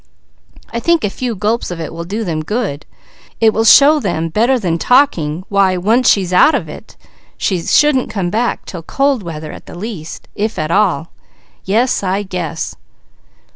I think a few gulps of it will do them good; it will show them better than talking why, once she's out of it, she shouldn't come back 'til cold weather at least, if at all. Yes I guess!"